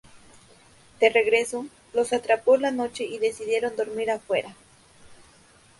De regreso, los atrapó la noche y decidieron dormir afuera.